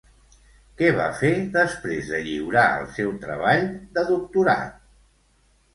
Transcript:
Què va fer després de lliurar el seu treball de doctorat?